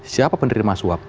siapa penerima suap